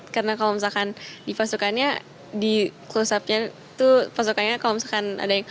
karena kalau misalkan di pasokannya di close up nya itu pasokannya kalau misalkan